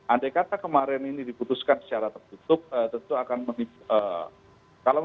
andai kata kemarin ini diputuskan secara tertutup tentu akan menimbulkan